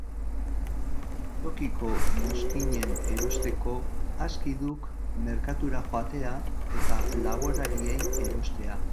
Tokiko mozkinen erosteko aski duk merkatura joatea eta laborarieri erostea!